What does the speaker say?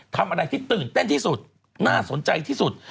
ทำอะไรที่ตื่นเต้นที่สุดน่าสนใจที่สุด